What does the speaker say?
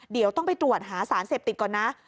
เดี๋ยวต้องไปตรวจหาสารเสพติดก่อนนะ